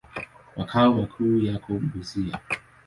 Makao makuu yako Busia.